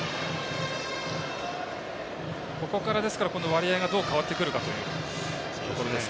ここから、この割合がどう変わってくるかというところ。